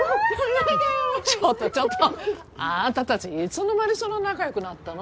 ちょっとちょっとあなたたちいつの間にそんな仲良くなったの？